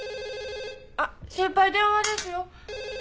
・☎あっ先輩電話ですよ。